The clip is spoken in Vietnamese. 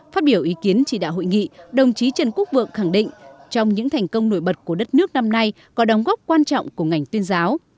phát biểu ý kiến chỉ đạo hội nghị đồng chí trần quốc vượng khẳng định trong những thành công nổi bật của đất nước năm nay có đóng góp quan trọng của ngành tuyên giáo